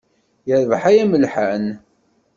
Yerbeḥ ay amelḥan.